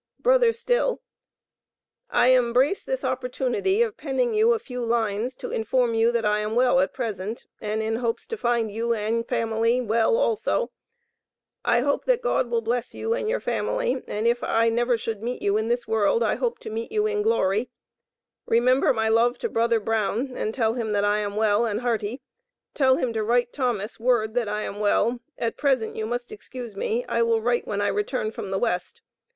Brother Still: I im brace this opportunity of pening you a few lines to in form you that I am well at present & in hopes to find you & family well also I hope that god Will Bless you & and your family & if I never should meet you in this world I hope to meet you in glory Remember my love to Brother Brown & tell him that I am well & hearty tell him to writ Thomas word that I am well at present you must excuse me I will Rite when I return from the west.